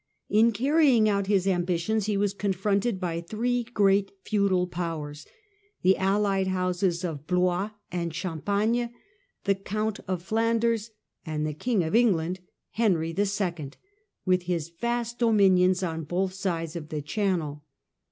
In carrying out his ambitions he was confronted by three great feudal powers, the allied houses of Blois and Champagne, the Count of Flanders, and the King of England, Henry II., with his vast dominions on both sides of the Channel.